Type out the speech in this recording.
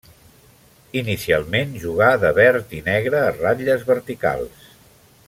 Inicialment jugà de verd i negre a ratlles verticals.